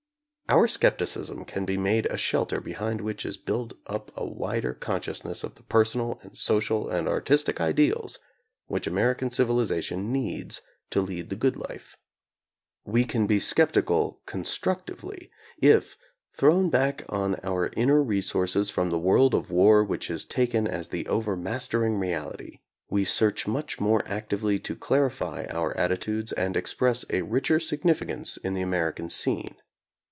Our skepticism can be made a shelter behind which is built up a wider consciousness of the personal and social and artis tic ideals which American civilization needs to lead the good life. We can be skeptical construc tively, if, thrown back on our inner resources from the world of war which is taken as the overmaster ing reality, we search much more actively to clar ify our attitudes and express a richer significance in the American scene.